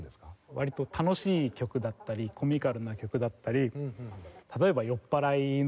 割と楽しい曲だったりコミカルな曲だったり例えば酔っ払いの。